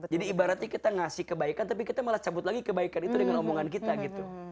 jadi ibaratnya kita ngasih kebaikan tapi kita malah cabut lagi kebaikan itu dengan omongan kita gitu